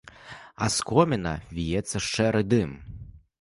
А з коміна віецца шэры дым.